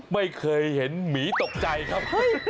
ไม่เคยเห็นหมีตกใจครับ